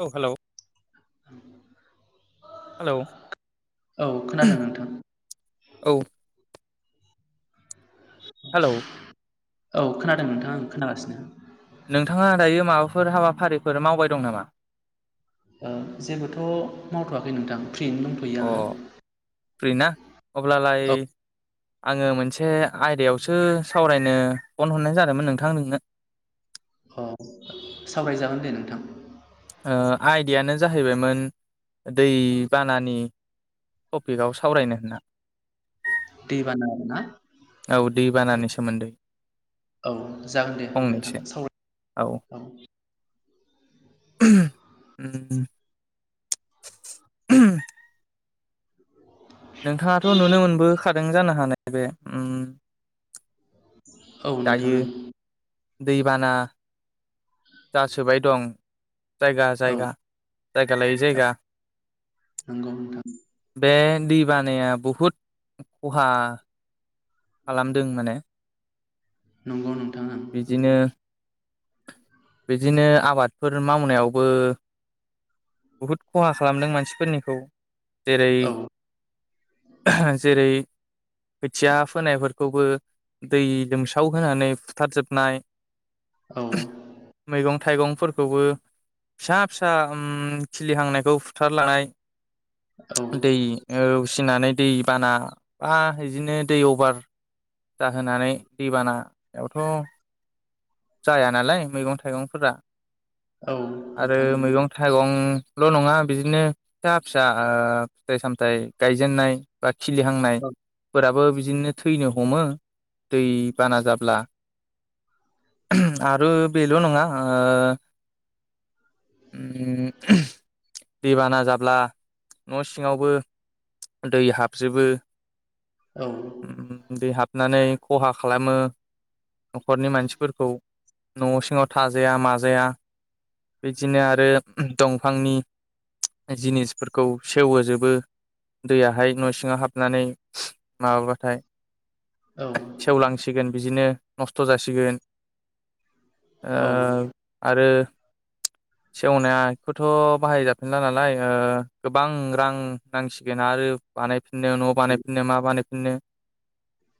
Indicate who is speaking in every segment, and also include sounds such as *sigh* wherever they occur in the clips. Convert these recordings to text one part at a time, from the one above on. Speaker 1: औ hello. Hello
Speaker 2: औ खोनादों नोंथां
Speaker 1: औ हेलौ
Speaker 2: औ खोनादों नोंथाङा आं खोनागासिनो
Speaker 1: नोंथाङा दायो माबाफोर हाबाफारिफोर मावबाय दं नामा?
Speaker 2: ओ जेबोथ' मावथ'वाखै नोंथां फ्रियैनो दंथ'यो
Speaker 1: अ
Speaker 2: आङो
Speaker 1: फ्रि ना अब्लालाय
Speaker 2: औ
Speaker 1: आङो मोनसे आयदायावसो सावरायनो फन हरनाय जादोंमोन नोंथां नोंनो
Speaker 2: अ सावरायजागोन दे नोंथां
Speaker 1: ओ आयदायानो जाहैबायमोन दै बानानि टपिकआव सावरायनो होनना
Speaker 2: दै बाना आरो ना
Speaker 1: औ दै बानानि सोमोन्दै
Speaker 2: औ जागोन दे नोंथां
Speaker 1: फंनैसो
Speaker 2: सावराय
Speaker 1: औ उम *unintelligible* नोंथाङाथ' नुनो मोनबो खादों जानो हानाय बे उम
Speaker 2: औ नोंथां
Speaker 1: दायो दैबाना दा सोबाय दं जायगा
Speaker 2: ओं
Speaker 1: जायगा जायगा लायै
Speaker 2: औ
Speaker 1: जायगा
Speaker 2: नंगौ नोंथां
Speaker 1: बे दै बानाया बुहुद खहा खालामदों माने
Speaker 2: नंगौ नंगौ नोंथां ओं
Speaker 1: बिदिनो बिदिनो आबादफोर मावनायावबो बहुद खहा खालामदों मानसिफोरनिखौ जेरै
Speaker 2: औ
Speaker 1: जेरै खोथिया फोनायफोरखौबो दै लोमसाव होनानै बुथारजोबनाय
Speaker 2: औ
Speaker 1: थाइगं फोरखौबो फिसा फिसा उम खिलि हांनायखौ फुथार लांनाय
Speaker 2: औ
Speaker 1: दै उसिनानै दै बाना बा बिदिनो दै अभार जाहोनानै दैबाना यावथ' जाया नालाय मैगं थाइगं फोरा
Speaker 2: औ
Speaker 1: आरो
Speaker 2: नोंथां
Speaker 1: मैगं-थाइगं ल' नङा बिदिनो फिसा फिसा ओ फिथाइ-सामथाइ गाय जेननाय बा खिलि हांनाय
Speaker 2: औ
Speaker 1: फोराबो बि बिदिनो थैनो हमो दै बाना जाब्ला। *unintelligible* आरो बेल' नङा ओ उम *unintelligible* दैबाना जाब्ला न' सिङावबो दै हाब जोबो
Speaker 2: औ।
Speaker 1: नानै खहा खालामो। न'खरनि मानसि फोरखौ। न' सिङाव थाजाया माजाया बिदिनो आरो दंफांनि जिनिस फोरखौ सेवहो जोबो दैया हाय न' सिङाव हाबनानै माबा बाथाय।
Speaker 2: औ
Speaker 1: सेवलां सिगोन बिदिनो नस्थ' जासिगोन। ओ
Speaker 2: औ
Speaker 1: आरो सेवनायखौथ' बाहाय जाफिनला नालाय ओ गोबां रां नांसि गोन आरो बानाय नो न' आव बानाय फिननो माबानो नो।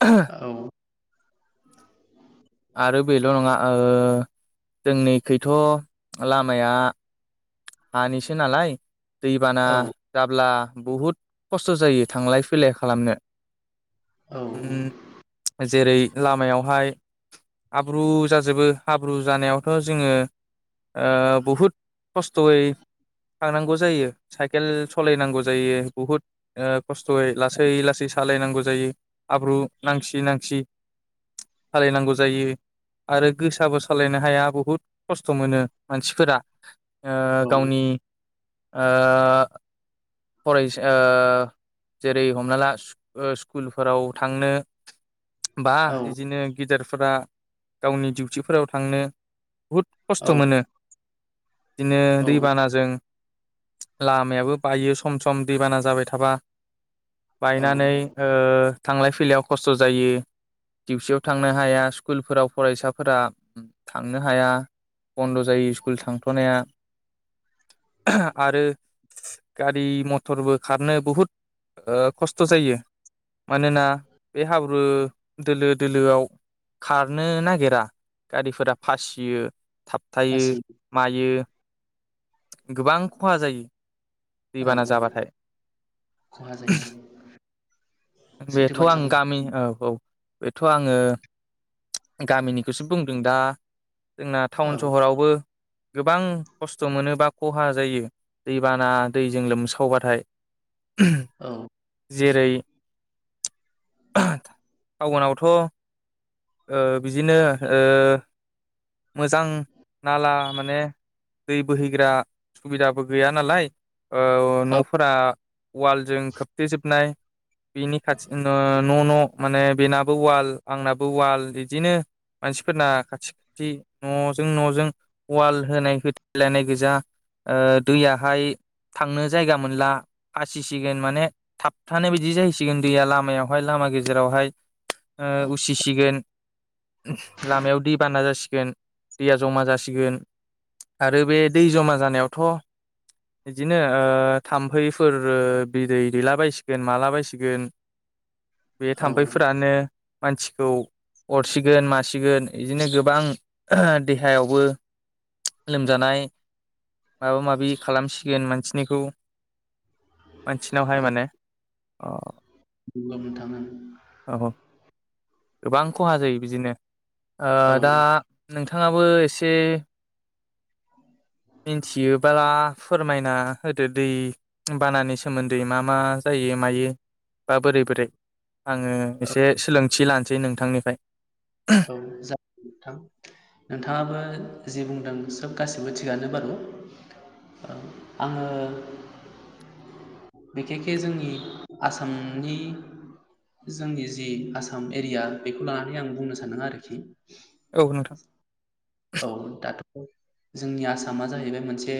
Speaker 1: *unintelligible*
Speaker 2: औ
Speaker 1: आरो बेल' नङा ओ जोंनि खैथ' लामाया हानिसो नालाय दैबाना जाब्ला बुहुद खस्थ' जायो थांलाय फैलाय खालामनो।
Speaker 2: औ।
Speaker 1: उम जेरै लामायाव हाय हाब्रु जाजोबो हाब्रु जानायावथ' जोङो ओ बुहुद खस्थ'यै थांनांगौ जायो साइकेल सालाय नांगौ जायो बुहुद ओ खस्थ'यै लासै लासै सालाय नांगौ जायो हाब्रु नांसि नांसि सालाय नांगौ जायो। आरो गोसाबो सालायनो हाया बुहुद खस्थ' मोनो मानसि फोरा ओ
Speaker 2: औ
Speaker 1: गावनि ओ फरायसा ओ जेरै हमनाला ओ स्कुल स्कुलफोराव थांनो बा
Speaker 2: औ
Speaker 1: इदिनो गिदेर फोरा गावनि डिउटिफोराव थांनो बुहुद खस्थ' मोनो। बिदिनो
Speaker 2: औ
Speaker 1: दैबानाजों लामायाबो बायो सम सम दैबाना जाबाय थाबा
Speaker 2: औ
Speaker 1: बायनानै ओ थांलाय फैलायाव खस्थ' जायो डिउसियाव थांनो हाया स्कुलफोराव फरायसाफोरा थांनो हाया बन्द' जायो स्कुल थांथ'नाया आरो *unintelligible* गारि मथरबो खारनो बहुद ओ खस्थ' जायो मानोना बे हाब्रु दोलो दोलोआव खारनो नागिरा गारिफोरा फासियो। थाबथायो
Speaker 2: गासि
Speaker 1: मायो गोबां खहा जायो।
Speaker 2: औ
Speaker 1: दैबाना जाबाथाय
Speaker 2: खहा जायो सैथो
Speaker 1: बेथ' आं
Speaker 2: बाथ्राखौ
Speaker 1: गामि औ औ बेथ' आङो गामिनिखौसो बुंदों दा जोंना
Speaker 2: औ
Speaker 1: टाउन सहरावबो गोबां खस्थ' मोनोबा खहा जायो दैबाना दैजों लोमसावबाथाय
Speaker 2: औ
Speaker 1: जेरै *unintelligible* टाउनावथ' ओ बिदिनो ओ मोजां नाला माने दै बोहैग्रा सुबिदाबो गैया नालाय। ओ
Speaker 2: औ
Speaker 1: न'फोरा वालजों खोबथे जोबनाय बिनि खाथि न' न' माने बेनाबो वाल आंनाबो वाल बिदिनो मानसिफोरना खाथि खाथि न' जों न' जों वाल होनाय होथलायनाय गोजा ओ दैयाहाय थांनो जायगा मोनला फासिसिगोन माने थाबथानो बायदि जाहैसिगोन दैया लामायावहाय लामा गेजेरावहाय ओ उसिसिगोन। लामायाव दै बाना जासिगोन दैया जमा जासिगोन आरो बे दै जमा जानायावथ' बिदिनो ओ थाम्फै फोर ओ बिदै दैला बायसिगोन माला बायसिगोन बे
Speaker 2: औ
Speaker 1: थाम्फैफोरानो मानसिखौ अरसिगोन मासिगोन इदिनो गोबां देहायावबो लोमजानाय माबा माबि खालामसिगोन मानसिनिखौ मानसिनावहाय
Speaker 2: औ
Speaker 1: माने अ।
Speaker 2: *unintelligible*
Speaker 1: *unintelligible* गोबां खहा जायो बिदिनो। ओ
Speaker 2: ओं
Speaker 1: दा नोंथाङाबो एसे मिन्थियोब्ला फोरमायना होदो दै बानानि सोमोन्दै मा मा जायो मायो बा बोरै बोरै आङो एसे सोलोंथि लानोसै नोंथांनिफाय।
Speaker 2: औ जा नोंथां नोंथाङाबो जि बुंदों सोब गासिबो थिगानो बारु आङो बेखेखे जोंनि आसामनि जोंनि जि आसाम एरिया बेखौ लानानै आं बुंनो सा सानदों आरोखि।
Speaker 1: औ नोंथां
Speaker 2: औ दाथ' जोंनि आसामा जाहैबाय मोनसे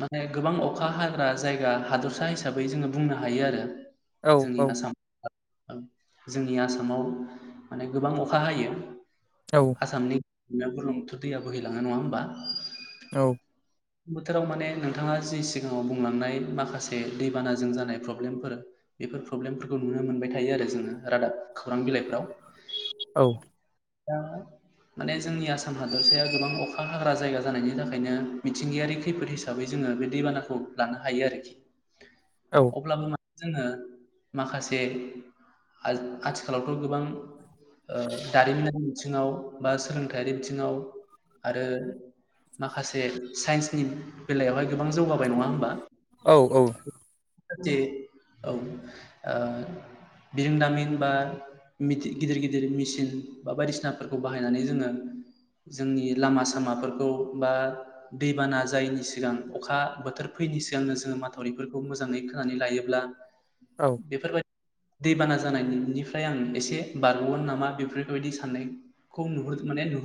Speaker 2: माने गोबां अखा हाग्रा जायगा हादरसा हिसाबै जोङो बुंनो हायो आरो
Speaker 1: औ
Speaker 2: जोंनि
Speaker 1: औ
Speaker 2: आसाम जोंनि आसामाव माने गोबां अखा हायो।
Speaker 1: औ
Speaker 2: आसामनि *unintelligible* दैया बो हैैलाङो नङा ओमबा
Speaker 1: औ
Speaker 2: बोथोराव माने नोंथाङा जि सिगाङाव बुंलांनाय माखासे दैबानाजों जानाय प्रब्लेमफोर बेफोर प्रब्लेमफोरखौ नुनो मोनबाय थायो आरो जोङो रादाब खौरां बिलाइफ्राव।
Speaker 1: औ
Speaker 2: दा माने जोंनि आसाम हादोरसाया गोबां अखा हाग्रा जायगा जानायनि थाखायनो मिथिंगायारि खैफोद हिसाबै जोङो दै बानाखौ लानो हायो आरोखि। अब्लाबो मा जोङो माखासे आ आथिखालावथ' गोबां ओ दारिमिनारि बिथिङाव बा सोलोंथायारि बिथिङाव आरो माखासे साइन्सनि बेलायावहाय गोबां जौगाबाय नङा होमबा?
Speaker 1: औ औ
Speaker 2: जे औ ओ बिरोंदामिन बा मिथि गिदिर गिदिर मेसिन। बा बायदिसिनाफोरखौ बाहायनानै जोङो जोंनि लामा सामाफोरखौ बा दैबाना जायैनि सिगां अखा बोथोर फैयैनि सिगांनो जोङो माथावरिफोरखौ मोजाङै खोनानै लायोब्ला
Speaker 1: औ
Speaker 2: बेफोरबायद दैबाना जानायनिफ्राय आं इसे बारग'गोन नामा बेफोर बेबायदि साननायखौ नुह माने नु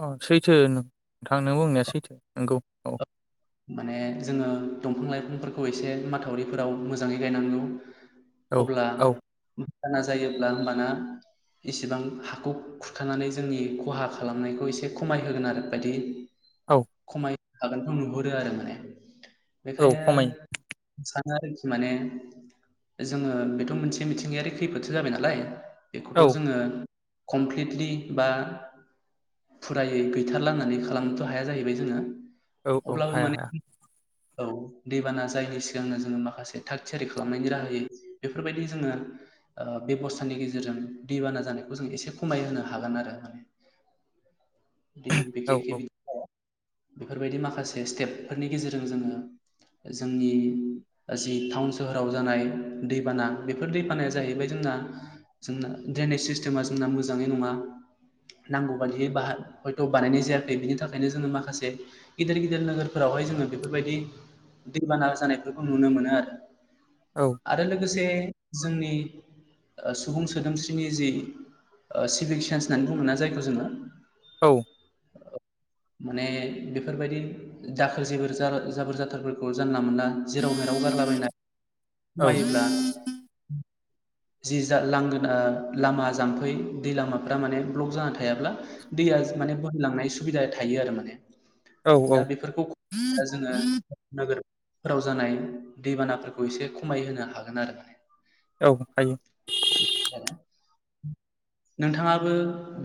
Speaker 1: अ सैथो नों थां नि बुंनाया सैै थो नंगौ औ
Speaker 2: माने जोङो दंफां लाइफांफोरखौ एसे माथावरिफोराव मोजाङै गायनांगौ।
Speaker 1: औ
Speaker 2: अब्ला
Speaker 1: औ
Speaker 2: बाना जायोब्ला ओमबाना इसिबां हाखौ खुरखानानै जोंनि खहा खालामनायखौ एसे खमाय होगोन आरो बायदि
Speaker 1: औ
Speaker 2: खमाय हागोनखौ नुहुर दो आरो माने
Speaker 1: औ
Speaker 2: बेखायनो
Speaker 1: खमायो
Speaker 2: सा आरोखि माने जोङो बेथ' मोनसे मिथिंगायारि खैफोदसो जाबाय नालाय। बेखौथ'
Speaker 1: औ
Speaker 2: जोङो कमप्लिटलि बा फुरायै गैथारलाहोनानै खालामनोथ' हाया जाहैबाय जोङो।
Speaker 1: औ औ
Speaker 2: अब्लाबो
Speaker 1: हाया
Speaker 2: माने
Speaker 1: हाया।
Speaker 2: औ दैबाना जायैनि सिगांनो जोङो माखासे थाग थियारि खालामनायनि राहायै बेफोरबायदि जोङो बेब'स्थानि गेजेरजों दैबाना जानायखौ जों एसे खमायहो हागोन आरो माने *unintelligible*
Speaker 1: औ औ
Speaker 2: बेफोरबायदि माखासे माखासे स्टेपफोरनि गेजेरजों जोङो जोंनि जि टाउन सोहोराव जानाय दैबाना बेफोर दैबानाया जाहैबाय जोंना जोंना ड्रेनेज सिस्टेमा जोंना मोजाङै नङा नांगौ बादियै हयथ बानायनाय जायाखै बिनि थाखायनो जोङो माखासे गिदिर नोगोरफोरावहाय जोङो बेफोरबायदि दैबाना जानायफोरखौ नुनो मोनो आरो
Speaker 1: औ
Speaker 2: आरो लोगोसे जोंनि सुबुं सोदोमस्रिनि जि सिभिक सेन्स होननानै बुङोना जायखौ जोङो
Speaker 1: औ
Speaker 2: माने बेफोरबायदि दाखोर जाबोर जाथारफोरखौ जान मोनला जेराव मेराव गारलाबायनाय खमायोब्ला जि जा लांगोना लामा जाम्फै दै लामाफ्रा माने ब्लक जाना थायाब्ला दैया माने बोहैलांनाय सुबिदाया थायो आरो माने
Speaker 1: औ
Speaker 2: दा बेफोरखौ जोङो नोगोर फोराव जानाय दैबानाफोरखौ
Speaker 1: औ हायो
Speaker 2: माने नोंथाङाबो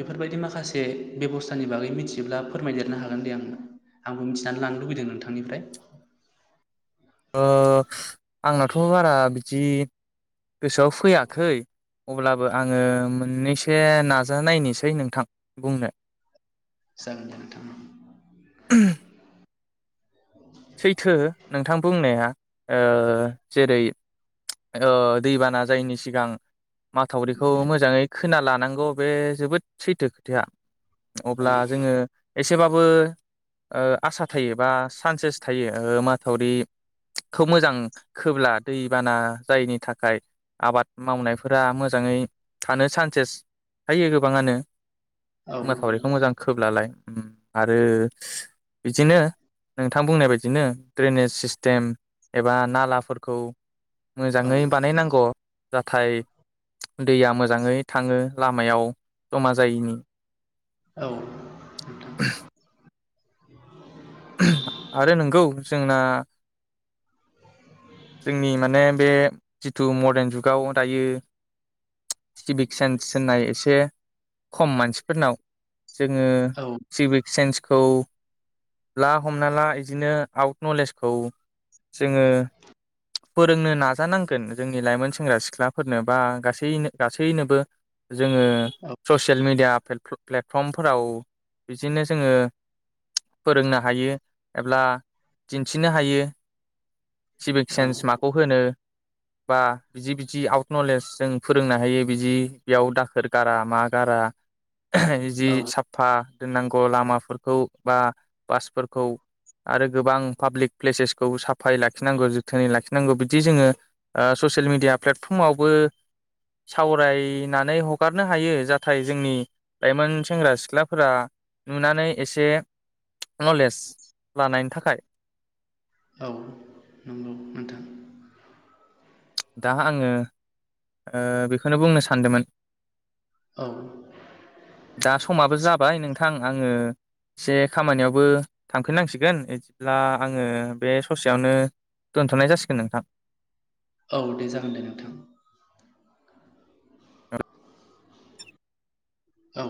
Speaker 2: बेफोरबायदि माखासे बेबस्थानि बागै मिथियोब्ला फोरमायदेरनो हागोन दे आंनो। आंबो मिथिनानै लानो लुबैदों नोंथांनिफ्राय
Speaker 1: अ आंनाथ' बारा बिदि गोसोआव फैयाखै अब्लाबो आङो मोननैसो नाजानायनोसै नोंथां बुंनो।
Speaker 2: जागोन नोंथां
Speaker 1: सैथो नोंथां बुंनाया ओ जेरै ओ दैबाना जायिनि सिगां माथावरिखौ मोजाङै खोना लानांगौ बे जोबोद सैथो खोथाया।
Speaker 2: औ
Speaker 1: अब्ला जोङो एसेबाबो ओ आसा थायो बा सानसे थायो माथावरि खोब मोजां खोब्ला दैबाना जायैनि थाखाय आबाद मावनायफोरा मोजाङै थानो सान्सेस थायो गोबाङानो।
Speaker 2: औ
Speaker 1: माथावरिखौ मोजां खोब्लालाय ओम आरो बिदिनो नोंथां बुंनाय बायदि बिदिनो ड्रेननि सिस्टेम एबा नालाफोरखौ
Speaker 2: औ
Speaker 1: मोजाङै बानायनांगौ नाथाय दैया मोजाङै थाङो लामायाव जमा जायिनि
Speaker 2: औ नोंथां *inaudible*
Speaker 1: आरो नंगौ जोंना जोंनि माने बे जिथु मडार्न जुगाव दायो सिभिक सेन्स होननाय एसे खम मानसिफोरनाव जोङो
Speaker 2: औ
Speaker 1: सिभिक सेन्स खौ ला हमना ला बिदिनो आउट नलेजखौ जोङो फोरोंनो नाजानांगोन जोंनि लाइमोन सेंग्रा सिख्लाफोरनो बा गासैनो गासैनोबो। जोङो ससियेल मिडिया प्लेटफर्मफोराव बिदिनो जोङो फोरोंनो हायो एब्ला दिन्थिनो हायो। सिभिक
Speaker 2: औ
Speaker 1: सेन्स माखौ होनो? बा बिदि बिदि आउट नलेज जों फोरोंनो हायो बिदि बेयाव दाखोर गारा मा गारा ओहो जि
Speaker 2: औ
Speaker 1: साफा दोननांगौ लामाफोरखौ बा बासफोरखौ आरो गोबां पाब्लिक प्लेसेसखौ साफाय लाखि लाखिनांगौ जोथोनै लाखिनांगौ बिदि जोङो ओ ससियेल मिडिया प्लेटफर्मावबो सावरायनानै हगारनो हायो जाथाय जोंनि लाइमोन सेंग्रा सिख्लाफोरा नुनानै एसे नलेज लानायनि थाखाय।
Speaker 2: औ नंगौ नोंथां।
Speaker 1: दा आङो ओ बेखौनो बुंनो सानदोंमोन।
Speaker 2: औ
Speaker 1: दा समाबो जाबाय नोंथां आङो एसे खामानियावबो थांफिननांसिगोन बिदिब्ला आङो बे ससेयावनो दोनथ'नाय जासिगोन नोंथां।
Speaker 2: औ दे जागोन दे नोंथां। औ